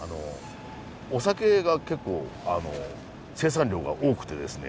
お酒が結構生産量が多くてですね。